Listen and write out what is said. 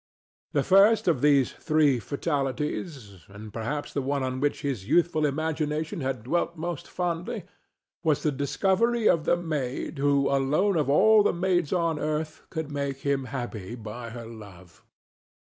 The first of these three fatalities, and perhaps the one on which his youthful imagination had dwelt most fondly, was the discovery of the maid who alone of all the maids on earth could make him happy by her love.